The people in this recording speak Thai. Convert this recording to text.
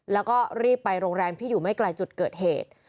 แล้วก็รีบไปโรงแรมที่อยู่ไม่ไกลจุดเกิดเหตุ